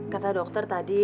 kata dokter tadi